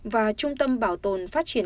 và trung tâm bảo tồn phát triển